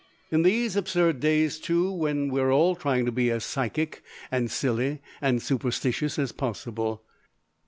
In these absurd days, too, when we are all trying to be as psychic, and silly, and superstitious as possible!